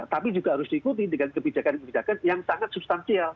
tapi juga harus diikuti dengan kebijakan kebijakan yang sangat substansial